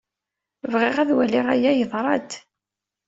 Bɣiɣ ad waliɣ aya yeḍra-d.